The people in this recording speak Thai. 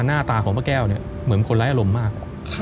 หน้าตาของป้าแก้วเนี่ยเหมือนคนไร้อารมณ์มาก